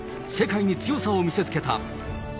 世界に強さを見せつけた。